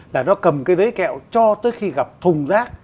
là nó cầm cái giấy kẹo cho tới khi gặp thùng rác